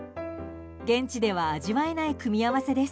現地では味わえない組み合わせです。